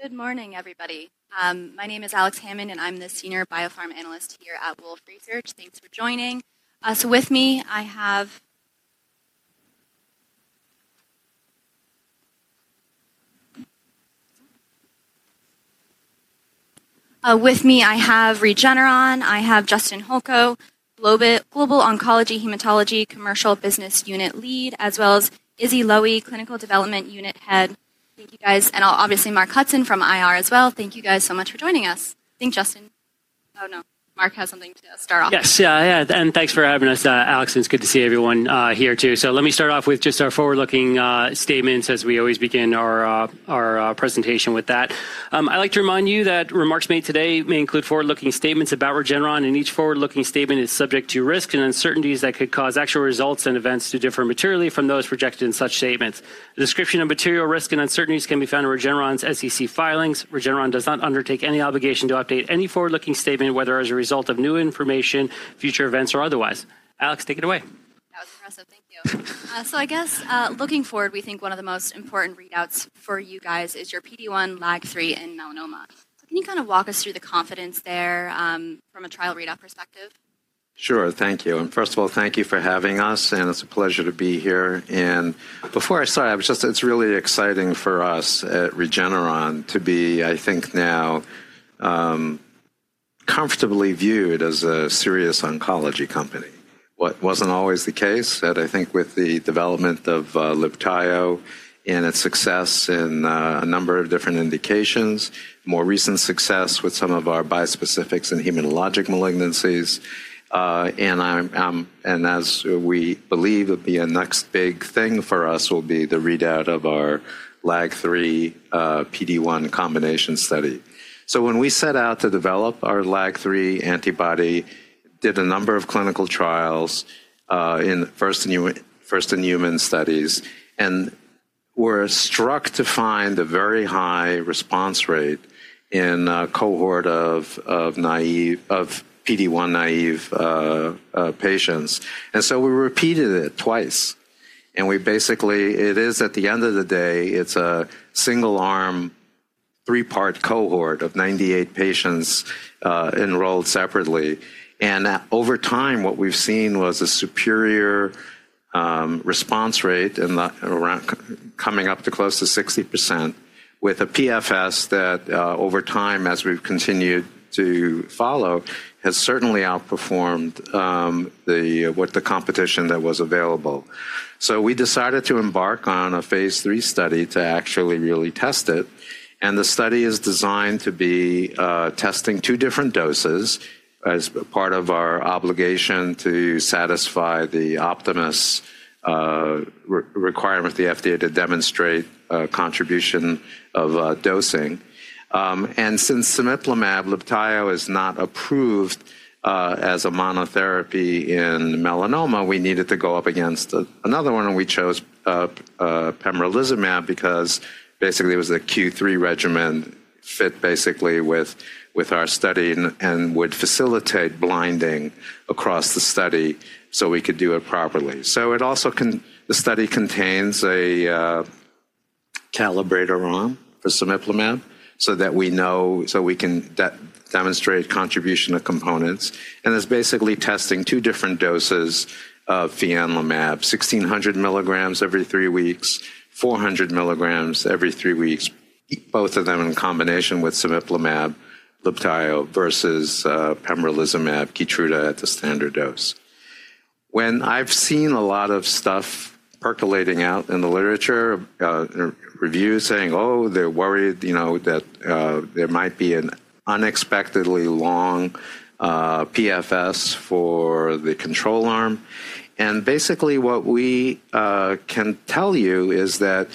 Good morning, everybody. My name is Alex Hammond, and I'm the Senior BioPharm Analyst here at Wolfe Research. Thanks for joining. With me, I have Regeneron, I have Justin Holco, Global Oncology Hematology Commercial Business Unit Lead, as well as Izzy Lowy, Clinical Development Unit Head. Thank you, guys. I'll obviously Mark Hudson from IR as well. Thank you, guys, so much for joining us. Thanks, Justin. Oh, no, Mark has something to start off with. Yes, yeah, yeah. Thanks for having us, Alex. It's good to see everyone here, too. Let me start off with just our forward-looking statements, as we always begin our presentation with that. I'd like to remind you that remarks made today may include forward-looking statements about Regeneron, and each forward-looking statement is subject to risks and uncertainties that could cause actual results and events to differ materially from those projected in such statements. The description of material risks and uncertainties can be found in Regeneron's SEC filings. Regeneron does not undertake any obligation to update any forward-looking statement, whether as a result of new information, future events, or otherwise. Alex, take it away. That was impressive. Thank you. I guess, looking forward, we think one of the most important readouts for you guys is your PD-1, LAG-3, and melanoma. Can you kind of walk us through the confidence there from a trial readout perspective? Sure, thank you. First of all, thank you for having us, and it's a pleasure to be here. Before I start, I was just, it's really exciting for us at Regeneron to be, I think now, comfortably viewed as a serious oncology company. That was not always the case, I think, with the development of Libtayo and its success in a number of different indications, more recent success with some of our bispecifics in hematologic malignancies. As we believe that the next big thing for us will be the readout of our LAG-3, PD-1 combination study. When we set out to develop our LAG-3 antibody, did a number of clinical trials in first-in-human studies, and were struck to find a very high response rate in a cohort of PD-1 naive patients. We repeated it twice. We basically, it is at the end of the day, it's a single-arm, three-part cohort of 98 patients enrolled separately. Over time, what we've seen was a superior response rate coming up to close to 60%, with a PFS that, over time, as we've continued to follow, has certainly outperformed what the competition that was available. We decided to embark on a phase three study to actually really test it. The study is designed to be testing two different doses as part of our obligation to satisfy the Optimus requirement of the FDA to demonstrate contribution of dosing. Since cemiplimab, Libtayo, is not approved as a monotherapy in melanoma, we needed to go up against another one. We chose pembrolizumab because, basically, it was a Q3 regimen fit, basically, with our study and would facilitate blinding across the study so we could do it properly. It also, the study contains a calibrator arm for cemiplimab so that we know, so we can demonstrate contribution of components. It's basically testing two different doses of fianlimab, 1,600 milligrams every three weeks, 400 milligrams every three weeks, both of them in combination with cemiplimab, Libtayo, versus pembrolizumab, Keytruda at the standard dose. When I've seen a lot of stuff percolating out in the literature, reviews saying, oh, they're worried that there might be an unexpectedly long PFS for the control arm. Basically, what we can tell you is that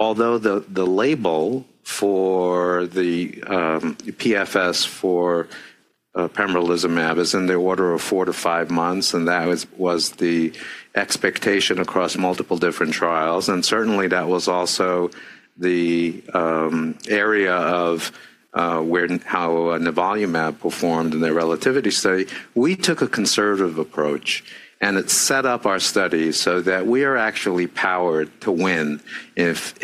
although the label for the PFS for pembrolizumab is in the order of four to five months, and that was the expectation across multiple different trials, and certainly, that was also the area of how nivolumab performed in the relativity study, we took a conservative approach. It set up our study so that we are actually powered to win if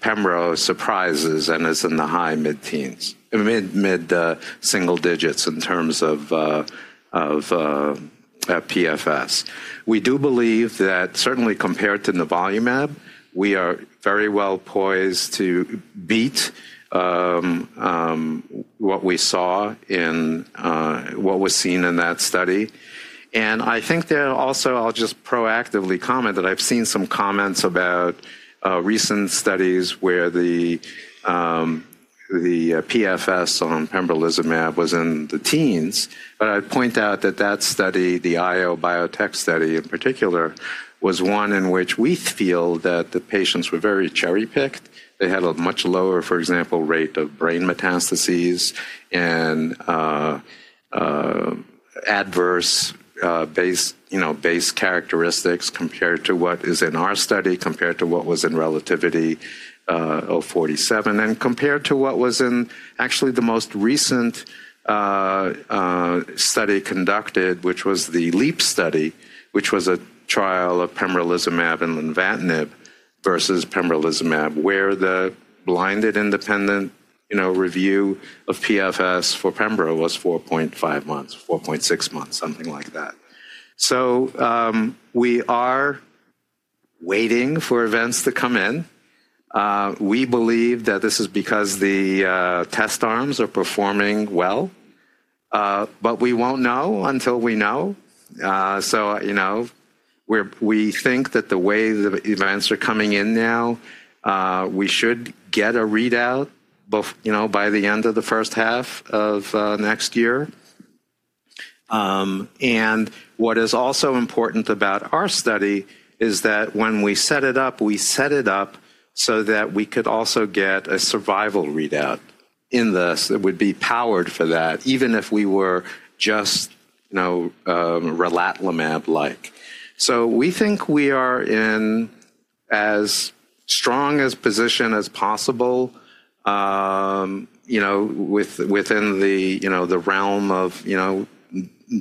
pembro surprises and is in the high mid-teens, mid-single digits in terms of PFS. We do believe that, certainly, compared to nivolumab, we are very well poised to beat what we saw in what was seen in that study. I think there also, I'll just proactively comment that I've seen some comments about recent studies where the PFS on pembrolizumab was in the teens. I'd point out that that study, the IO Biotech study in particular, was one in which we feel that the patients were very cherry-picked. They had a much lower, for example, rate of brain metastases and adverse base characteristics compared to what is in our study, compared to what was in RELATIVITY-047, and compared to what was in actually the most recent study conducted, which was the LEAP study, which was a trial of pembrolizumab and lenvatinib versus pembrolizumab, where the blinded independent review of PFS for pembro was 4.5 months, 4.6 months, something like that. We are waiting for events to come in. We believe that this is because the test arms are performing well. We will not know until we know. We think that the way the events are coming in now, we should get a readout by the end of the first half of next year. What is also important about our study is that when we set it up, we set it up so that we could also get a survival readout in this that would be powered for that, even if we were just relatlimab-like. We think we are in as strong a position as possible within the realm of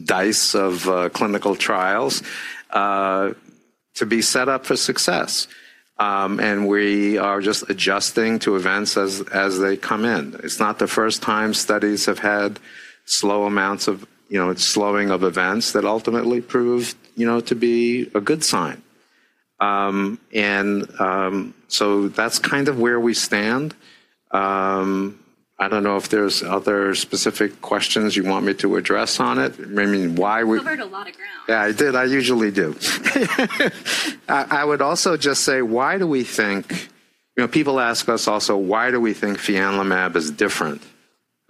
dice of clinical trials to be set up for success. We are just adjusting to events as they come in. It's not the first time studies have had slow amounts of slowing of events that ultimately prove to be a good sign. That's kind of where we stand. I don't know if there's other specific questions you want me to address on it. I mean, why? You covered a lot of ground. Yeah, I did. I usually do. I would also just say, why do we think people ask us also, why do we think fianlimab is different?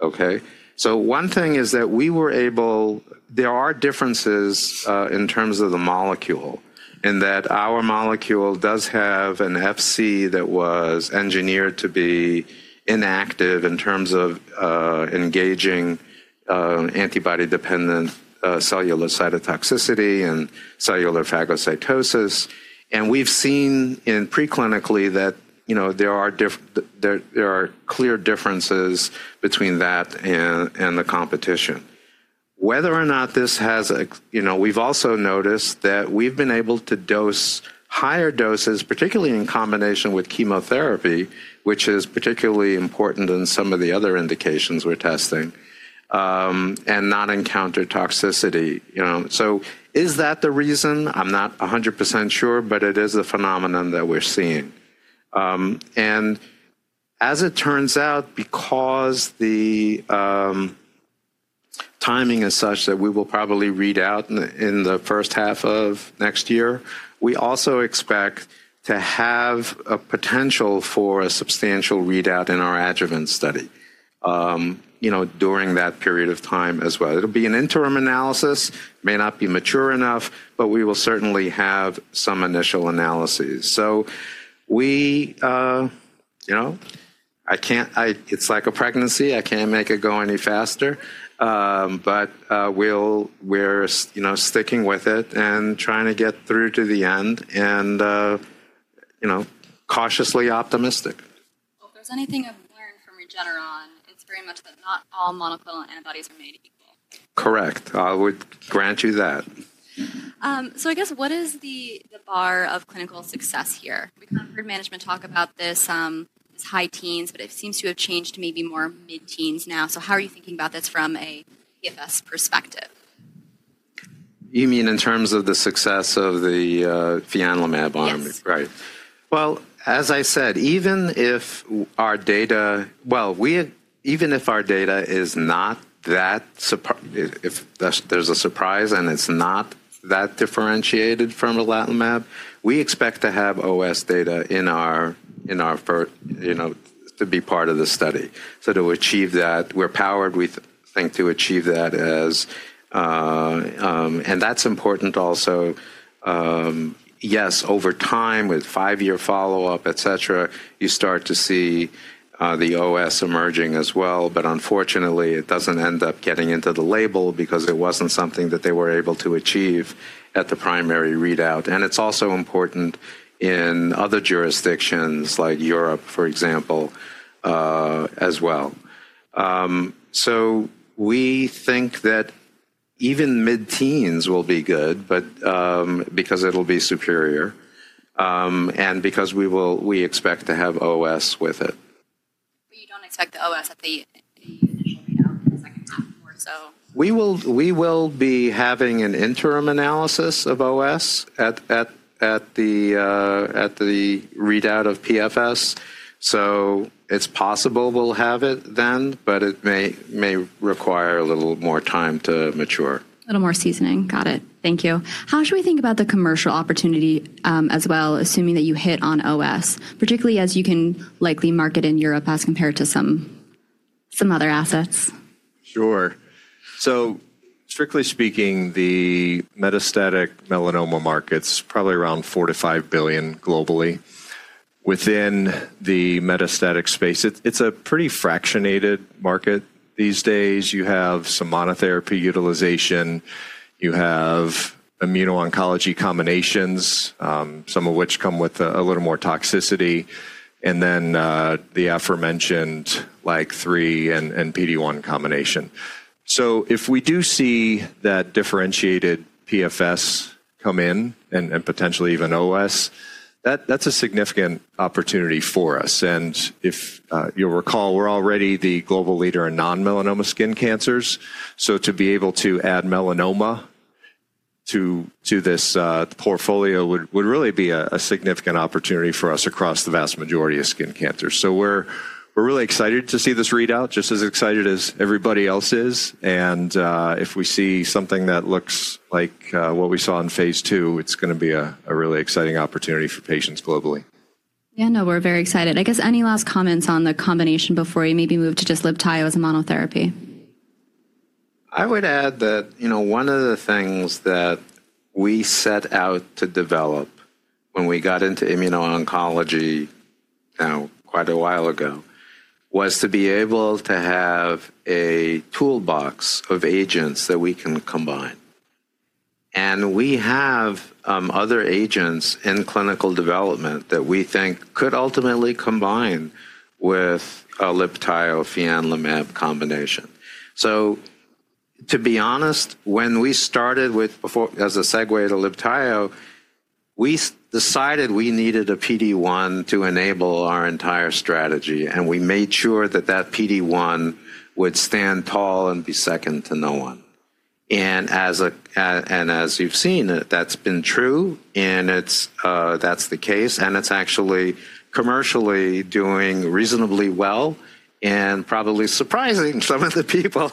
OK? One thing is that we were able, there are differences in terms of the molecule in that our molecule does have an FC that was engineered to be inactive in terms of engaging antibody-dependent cellular cytotoxicity and cellular phagocytosis. We have seen pre-clinically that there are clear differences between that and the competition. Whether or not this has, we have also noticed that we have been able to dose higher doses, particularly in combination with chemotherapy, which is particularly important in some of the other indications we are testing, and not encounter toxicity. Is that the reason? I am not 100% sure, but it is a phenomenon that we are seeing. As it turns out, because the timing is such that we will probably read out in the first half of next year, we also expect to have a potential for a substantial readout in our adjuvant study during that period of time as well. It will be an interim analysis. It may not be mature enough, but we will certainly have some initial analyses. I cannot, it is like a pregnancy. I cannot make it go any faster. We are sticking with it and trying to get through to the end and cautiously optimistic. If there's anything I've learned from Regeneron, it's very much that not all monoclonal antibodies are made equal. Correct. I would grant you that. I guess, what is the bar of clinical success here? We've heard management talk about this high teens, but it seems to have changed to maybe more mid-teens now. How are you thinking about this from a PFS perspective? You mean in terms of the success of the fianlimab arm? The fienlomab. Right. As I said, even if our data is not that, if there's a surprise and it's not that differentiated from relatlimab, we expect to have OS data in our to be part of the study. To achieve that, we're powered, we think, to achieve that, and that's important also. Yes, over time, with five-year follow-up, et cetera, you start to see the OS emerging as well. Unfortunately, it doesn't end up getting into the label because it wasn't something that they were able to achieve at the primary readout. It's also important in other jurisdictions, like Europe, for example, as well. We think that even mid-teens will be good because it'll be superior and because we expect to have OS with it. You don't expect the OS at the initial readout in the second half more so? We will be having an interim analysis of OS at the readout of PFS. It is possible we'll have it then, but it may require a little more time to mature. A little more seasoning. Got it. Thank you. How should we think about the commercial opportunity as well, assuming that you hit on OS, particularly as you can likely market in Europe as compared to some other assets? Sure. So strictly speaking, the metastatic melanoma market's probably around $4 billion-$5 billion globally. Within the metastatic space, it's a pretty fractionated market these days. You have some monotherapy utilization. You have immuno-oncology combinations, some of which come with a little more toxicity, and then the aforementioned LAG-3 and PD-1 combination. If we do see that differentiated PFS come in and potentially even OS, that's a significant opportunity for us. If you'll recall, we're already the global leader in non-melanoma skin cancers. To be able to add melanoma to this portfolio would really be a significant opportunity for us across the vast majority of skin cancers. We're really excited to see this readout, just as excited as everybody else is. If we see something that looks like what we saw in phase two, it's going to be a really exciting opportunity for patients globally. Yeah, no, we're very excited. I guess, any last comments on the combination before we maybe move to just Libtayo as a monotherapy? I would add that one of the things that we set out to develop when we got into immuno-oncology quite a while ago was to be able to have a toolbox of agents that we can combine. We have other agents in clinical development that we think could ultimately combine with a Libtayo fianlimab combination. To be honest, when we started with as a segue to Libtayo, we decided we needed a PD-1 to enable our entire strategy. We made sure that that PD-1 would stand tall and be second to no one. As you've seen, that's been true. That's the case. It's actually commercially doing reasonably well and probably surprising some of the people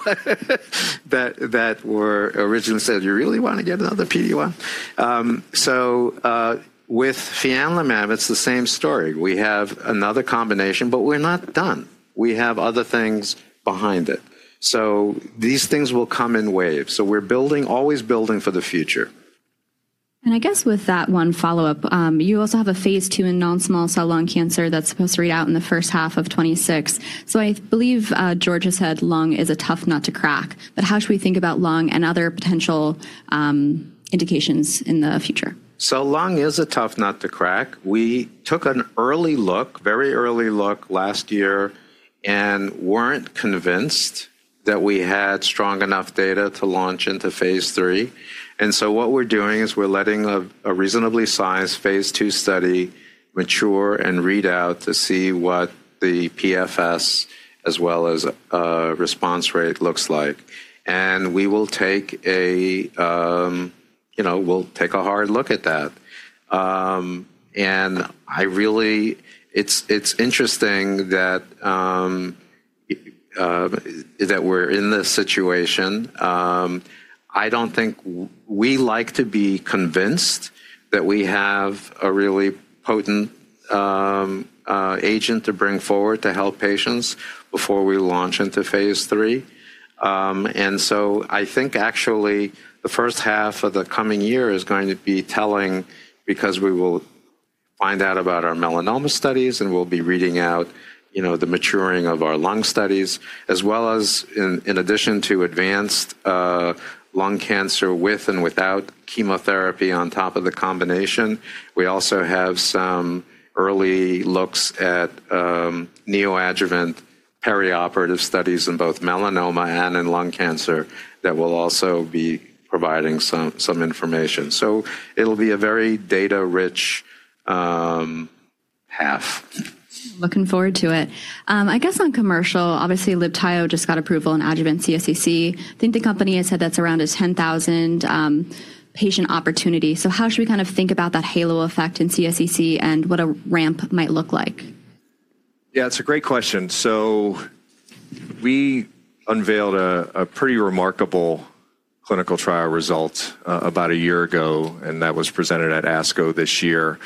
that originally said, you really want to get another PD-1? With fianlimab, it's the same story. We have another combination, but we're not done. We have other things behind it. These things will come in waves. We're always building for the future. I guess with that one follow-up, you also have a phase two in non-small cell lung cancer that's supposed to read out in the first half of 2026. I believe George has said lung is a tough nut to crack. How should we think about lung and other potential indications in the future? Lung is a tough nut to crack. We took an early look, very early look last year and were not convinced that we had strong enough data to launch into phase three. What we are doing is letting a reasonably sized phase two study mature and read out to see what the PFS as well as response rate looks like. We will take a hard look at that. It is interesting that we are in this situation. I do not think we like to be convinced that we have a really potent agent to bring forward to help patients before we launch into phase three. I think actually the first half of the coming year is going to be telling because we will find out about our melanoma studies and we'll be reading out the maturing of our lung studies as well as in addition to advanced lung cancer with and without chemotherapy on top of the combination. We also have some early looks at neoadjuvant perioperative studies in both melanoma and in lung cancer that will also be providing some information. It will be a very data-rich half. Looking forward to it. I guess on commercial, obviously, Libtayo just got approval in adjuvant CSCC. I think the company has said that's around a 10,000 patient opportunity. How should we kind of think about that halo effect in CSCC and what a ramp might look like? Yeah, it's a great question. We unveiled a pretty remarkable clinical trial result about a year ago. That was presented at ASCO this year,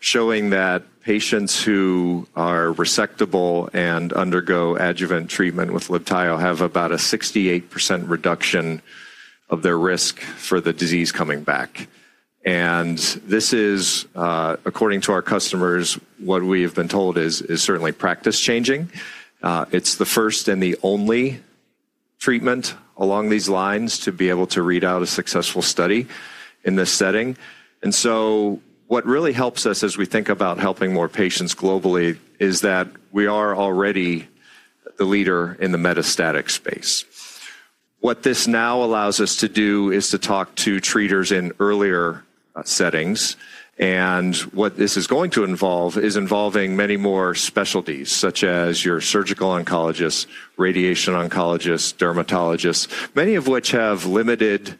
showing that patients who are resectable and undergo adjuvant treatment with Libtayo have about a 68% reduction of their risk for the disease coming back. This is, according to our customers, what we have been told is certainly practice changing. It's the first and the only treatment along these lines to be able to read out a successful study in this setting. What really helps us as we think about helping more patients globally is that we are already the leader in the metastatic space. What this now allows us to do is to talk to treaters in earlier settings. What this is going to involve is involving many more specialties, such as your surgical oncologists, radiation oncologists, dermatologists, many of which have limited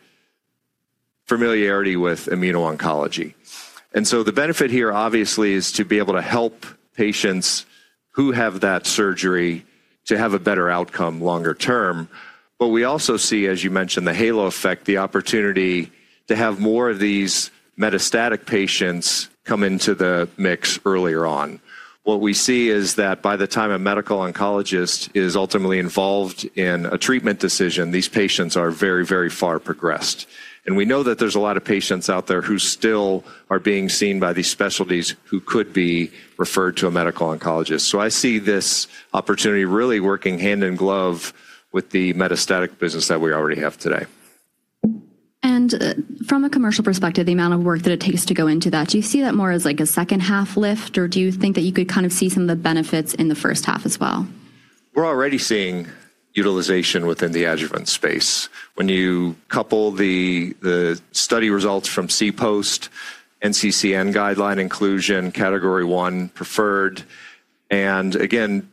familiarity with immuno-oncology. The benefit here, obviously, is to be able to help patients who have that surgery to have a better outcome longer term. We also see, as you mentioned, the halo effect, the opportunity to have more of these metastatic patients come into the mix earlier on. What we see is that by the time a medical oncologist is ultimately involved in a treatment decision, these patients are very, very far progressed. We know that there's a lot of patients out there who still are being seen by these specialties who could be referred to a medical oncologist. I see this opportunity really working hand in glove with the metastatic business that we already have today. From a commercial perspective, the amount of work that it takes to go into that, do you see that more as like a second half lift, or do you think that you could kind of see some of the benefits in the first half as well? We're already seeing utilization within the adjuvant space. When you couple the study results from CSCC, NCCN guideline inclusion, category one preferred, and again,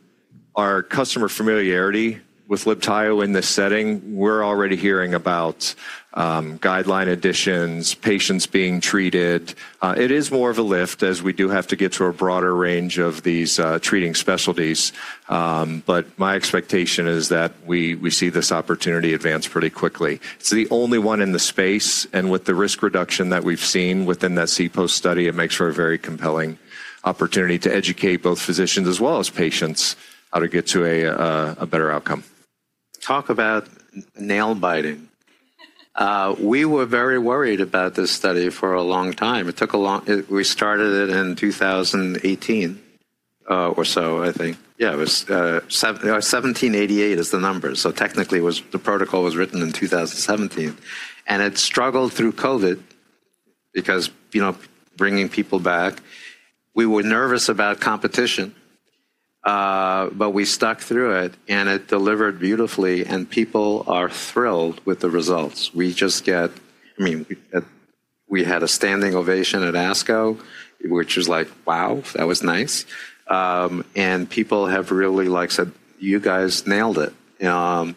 our customer familiarity with Libtayo in this setting, we're already hearing about guideline additions, patients being treated. It is more of a lift as we do have to get to a broader range of these treating specialties. My expectation is that we see this opportunity advance pretty quickly. It's the only one in the space. With the risk reduction that we've seen within that CSCC study, it makes for a very compelling opportunity to educate both physicians as well as patients how to get to a better outcome. Talk about nail biting. We were very worried about this study for a long time. We started it in 2018 or so, I think. Yeah, it was 1788 is the number. Technically, the protocol was written in 2017. It struggled through COVID because bringing people back. We were nervous about competition, but we stuck through it. It delivered beautifully. People are thrilled with the results. We just get, I mean, we had a standing ovation at ASCO, which was like, wow, that was nice. People have really said, you guys nailed it. They are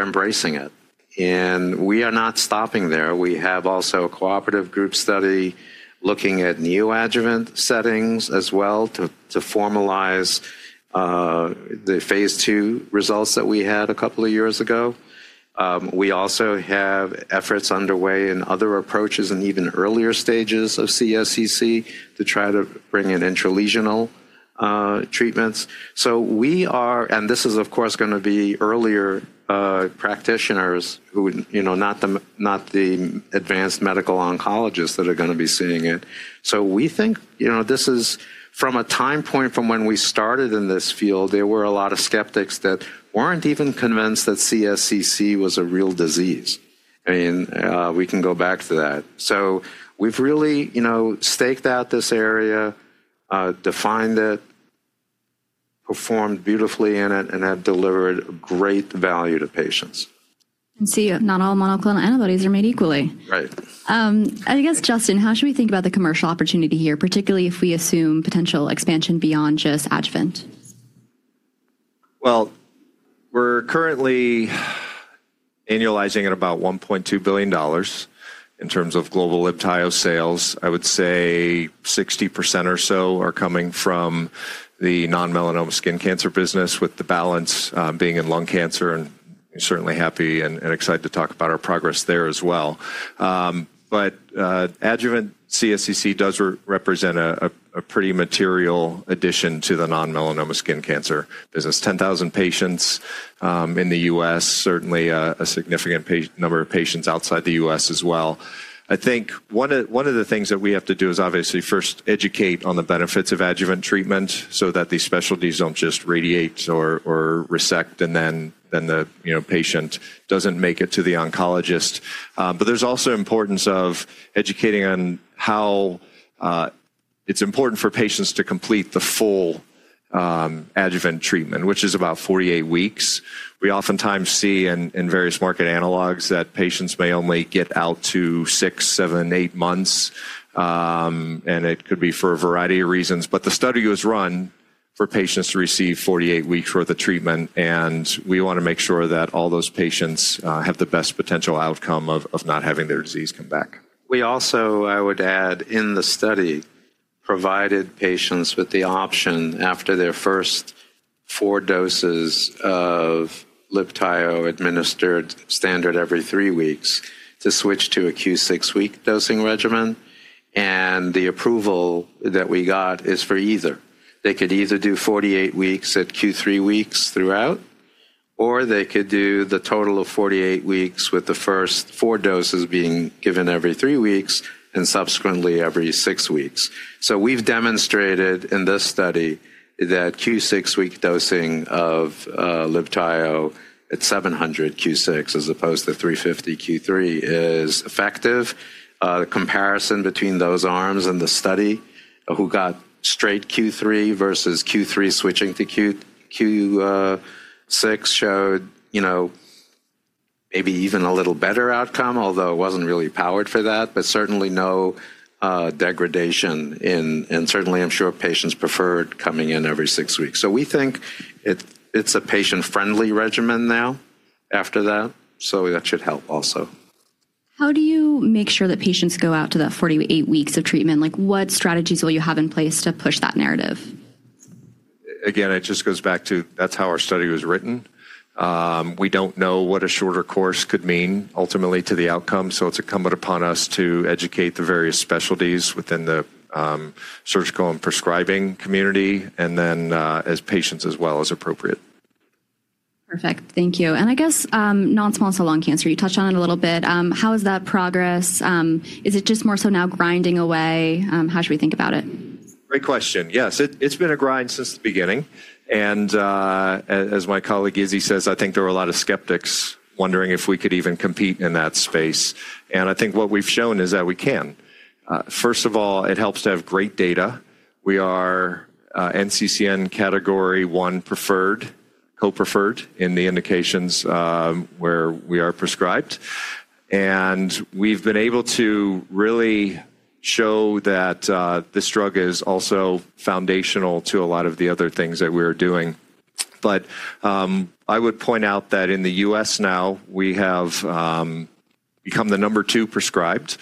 embracing it. We are not stopping there. We have also a cooperative group study looking at neoadjuvant settings as well to formalize the phase two results that we had a couple of years ago. We also have efforts underway in other approaches and even earlier stages of CSCC to try to bring in intralesional treatments. We are, and this is, of course, going to be earlier practitioners, not the advanced medical oncologists that are going to be seeing it. We think this is from a time point from when we started in this field, there were a lot of skeptics that were not even convinced that CSCC was a real disease. I mean, we can go back to that. We have really staked out this area, defined it, performed beautifully in it, and have delivered great value to patients. Not all monoclonal antibodies are made equally. Right. I guess, Justin, how should we think about the commercial opportunity here, particularly if we assume potential expansion beyond just adjuvant? We're currently annualizing at about $1.2 billion in terms of global Libtayo sales. I would say 60% or so are coming from the non-melanoma skin cancer business with the balance being in lung cancer. We're certainly happy and excited to talk about our progress there as well. Adjuvant CSCC does represent a pretty material addition to the non-melanoma skin cancer business, 10,000 patients in the U.S., certainly a significant number of patients outside the U.S. as well. I think one of the things that we have to do is obviously first educate on the benefits of adjuvant treatment so that these specialties do not just radiate or resect and then the patient does not make it to the oncologist. There's also importance of educating on how it's important for patients to complete the full adjuvant treatment, which is about 48 weeks. We oftentimes see in various market analogs that patients may only get out to six, seven, eight months. It could be for a variety of reasons. The study was run for patients to receive 48 weeks' worth of treatment. We want to make sure that all those patients have the best potential outcome of not having their disease come back. I would add, in the study, we provided patients with the option after their first four doses of Libtayo administered standard every three weeks to switch to a q6-week dosing regimen. The approval that we got is for either. They could either do 48 weeks at q3 weeks throughout, or they could do the total of 48 weeks with the first four doses being given every three weeks and subsequently every six weeks. We've demonstrated in this study that q6-week dosing of Libtayo at 700 q6 as opposed to 350 q3 is effective. The comparison between those arms in the study who got straight q3 versus q3 switching to q6 showed maybe even a little better outcome, although it wasn't really powered for that, but certainly no degradation. I'm sure patients preferred coming in every six weeks. We think it's a patient-friendly regimen now after that. That should help also. How do you make sure that patients go out to that 48 weeks of treatment? What strategies will you have in place to push that narrative? Again, it just goes back to that's how our study was written. We don't know what a shorter course could mean ultimately to the outcome. So it's incumbent upon us to educate the various specialties within the surgical and prescribing community and then as patients as well as appropriate. Perfect. Thank you. I guess non-small cell lung cancer, you touched on it a little bit. How is that progress? Is it just more so now grinding away? How should we think about it? Great question. Yes, it's been a grind since the beginning. As my colleague Izzy says, I think there were a lot of skeptics wondering if we could even compete in that space. I think what we've shown is that we can. First of all, it helps to have great data. We are NCCN category one preferred, co-preferred in the indications where we are prescribed. We've been able to really show that this drug is also foundational to a lot of the other things that we're doing. I would point out that in the U.S. now, we have become the number two prescribed.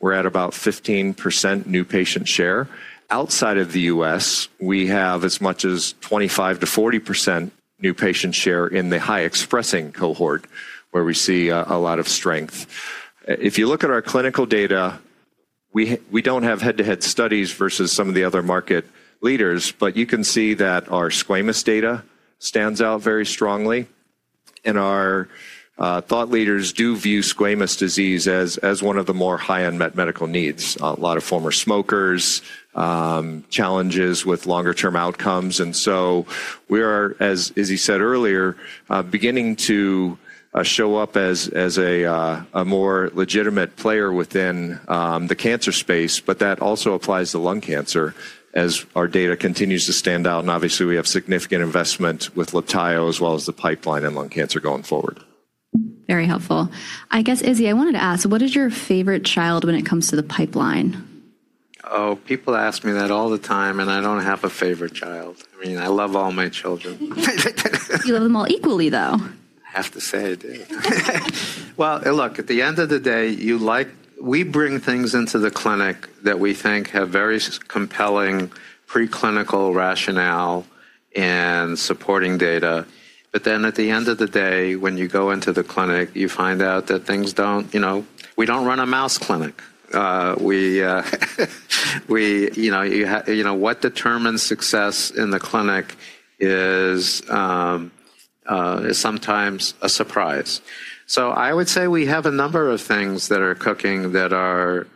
We're at about 15% new patient share. Outside of the U.S., we have as much as 25%-40% new patient share in the high-expressing cohort where we see a lot of strength. If you look at our clinical data, we do not have head-to-head studies versus some of the other market leaders, but you can see that our squamous data stands out very strongly. Our thought leaders do view squamous disease as one of the more high-end unmet medical needs. A lot of former smokers, challenges with longer-term outcomes. We are, as Izzy said earlier, beginning to show up as a more legitimate player within the cancer space. That also applies to lung cancer as our data continues to stand out. Obviously, we have significant investment with Libtayo as well as the pipeline in lung cancer going forward. Very helpful. I guess, Izzy, I wanted to ask, what is your favorite child when it comes to the pipeline? Oh, people ask me that all the time. I don't have a favorite child. I mean, I love all my children. You love them all equally, though. I have to say I do. Look, at the end of the day, we bring things into the clinic that we think have very compelling preclinical rationale and supporting data. At the end of the day, when you go into the clinic, you find out that things do not—we do not run a mouse clinic. What determines success in the clinic is sometimes a surprise. I would say we have a number of things that are cooking that are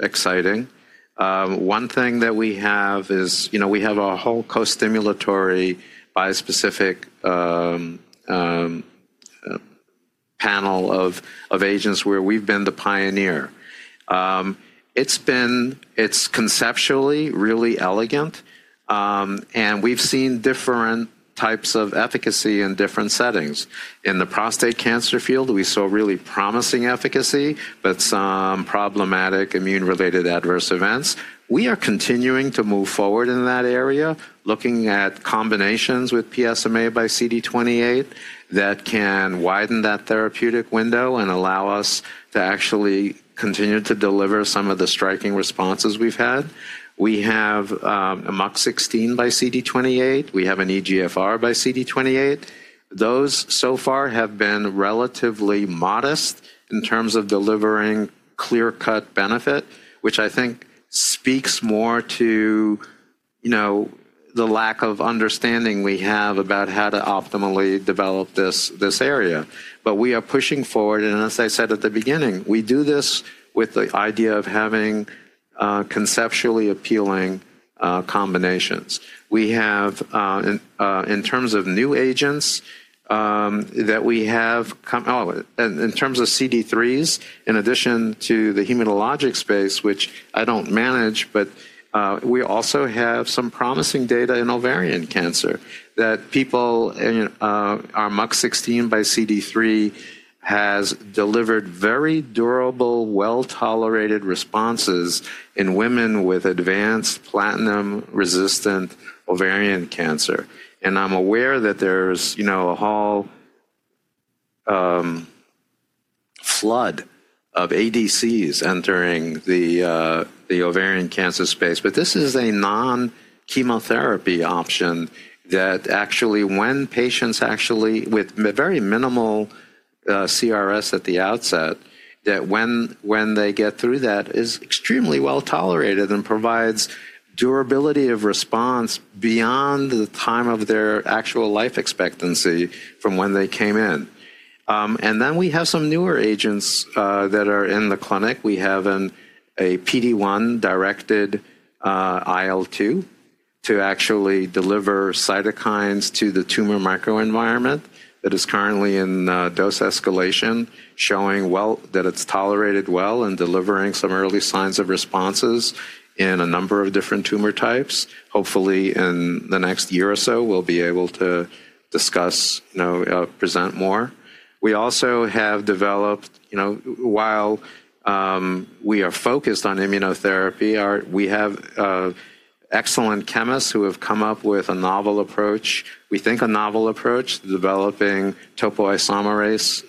exciting. One thing that we have is we have a whole co-stimulatory bispecific panel of agents where we have been the pioneer. It is conceptually really elegant. We have seen different types of efficacy in different settings. In the prostate cancer field, we saw really promising efficacy, but some problematic immune-related adverse events. We are continuing to move forward in that area, looking at combinations with PSMA by CD28 that can widen that therapeutic window and allow us to actually continue to deliver some of the striking responses we've had. We have a MUC16 by CD28. We have an EGFR by CD28. Those so far have been relatively modest in terms of delivering clear-cut benefit, which I think speaks more to the lack of understanding we have about how to optimally develop this area. We are pushing forward. As I said at the beginning, we do this with the idea of having conceptually appealing combinations. In terms of new agents that we have in terms of CD3s, in addition to the hematologic space, which I do not manage, but we also have some promising data in ovarian cancer that people our MUC16 by CD3 has delivered very durable, well-tolerated responses in women with advanced platinum-resistant ovarian cancer. I am aware that there is a whole flood of ADCs entering the ovarian cancer space. This is a non-chemotherapy option that actually, when patients actually with very minimal CRS at the outset, that when they get through that is extremely well tolerated and provides durability of response beyond the time of their actual life expectancy from when they came in. We have some newer agents that are in the clinic. We have a PD-1 directed IL-2 to actually deliver cytokines to the tumor microenvironment that is currently in dose escalation, showing that it's tolerated well and delivering some early signs of responses in a number of different tumor types. Hopefully, in the next year or so, we'll be able to discuss, present more. We also have developed, while we are focused on immunotherapy, we have excellent chemists who have come up with a novel approach. We think a novel approach developing topoisomerase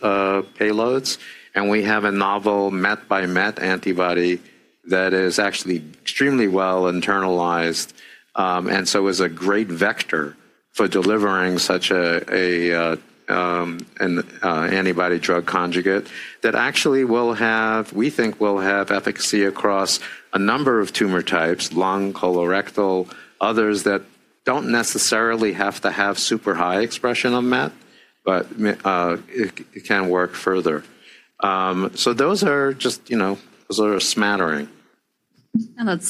payloads. We have a novel MET by MET antibody that is actually extremely well internalized. It is a great vector for delivering such an antibody-drug conjugate that actually will have, we think will have efficacy across a number of tumor types, lung, colorectal, others that do not necessarily have to have super high expression on MET, but it can work further. Those are just a smattering.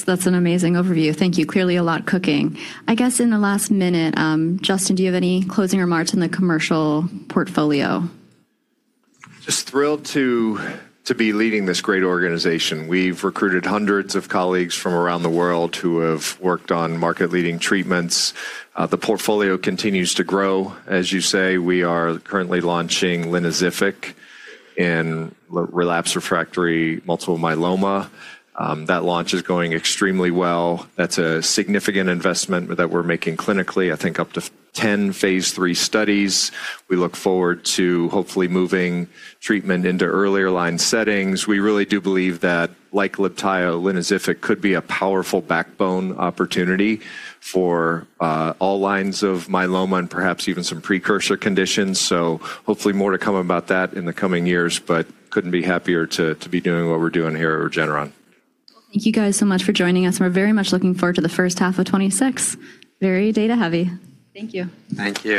That's an amazing overview. Thank you. Clearly a lot cooking. I guess in the last minute, Justin, do you have any closing remarks on the commercial portfolio? Just thrilled to be leading this great organization. We've recruited hundreds of colleagues from around the world who have worked on market-leading treatments. The portfolio continues to grow. As you say, we are currently launching Linvoseltamab in relapsed refractory multiple myeloma. That launch is going extremely well. That's a significant investment that we're making clinically. I think up to 10 phase III studies. We look forward to hopefully moving treatment into earlier line settings. We really do believe that like Libtayo, Linvoseltamab could be a powerful backbone opportunity for all lines of myeloma and perhaps even some precursor conditions. Hopefully more to come about that in the coming years, but couldn't be happier to be doing what we're doing here at Regeneron. Thank you guys so much for joining us. We're very much looking forward to the first half of 2026. Very data-heavy. Thank you. Thank you.